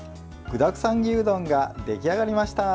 具だくさん牛丼が出来上がりました。